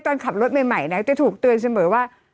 ตอนขับรถใหม่นะจะถูกเตือนเสมอว่า